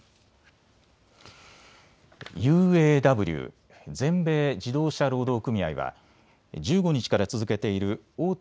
ＵＡＷ・全米自動車労働組合は１５日から続けている大手